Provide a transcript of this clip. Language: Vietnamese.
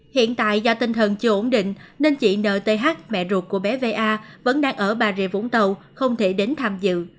hiện tại do tinh thần chưa ổn định nên chị nth mẹ ruột của bé va vẫn đang ở bà rịa vũng tàu không thể đến tham dự